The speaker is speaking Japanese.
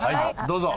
どうぞ。